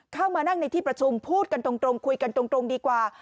เข้ามานั่งในที่ประชุมพูดกันตรงคุยกันตรงดีกว่า